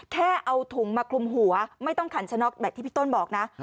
แค่เอาถุงมาคลุมหัวไม่ต้องขันชะน็อกแบบที่พี่ต้นบอกนะ